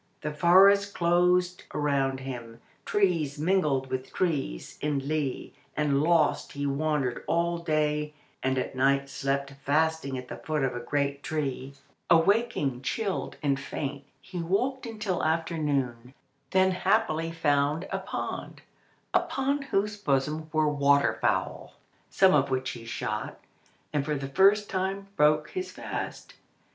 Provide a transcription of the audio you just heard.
The forest closed around him, trees mingled with trees in limitless confusion. Bewildered and lost he wandered all day, and at night slept fasting at the foot of a great tree. Awaking chilled and faint, he walked until afternoon, then happily found a pond upon whose bosom were water fowl, some of which he shot, and for the first time broke his fast.